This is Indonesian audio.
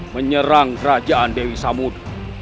menyerang rajaan dewi samud